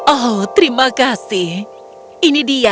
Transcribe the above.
oh terima kasih ini dia